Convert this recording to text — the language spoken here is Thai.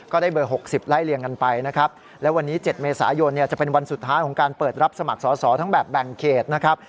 ได้เบอร์๖๐ไล่เลี่ยงกันไปนะครับและวันนี้๗เมษายนเนี่ยจะเป็นวันสุดท้ายของการเปิดรับสมัครสอสอทั้งแบบแบ่งเขตนะครับ